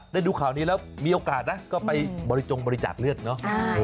ดูข่าวนี้แล้วมีโอกาสนะก็ไปบริจงบริจาคเลือดเนาะ